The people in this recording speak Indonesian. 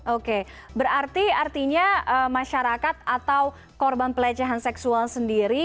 oke berarti artinya masyarakat atau korban pelecehan seksual sendiri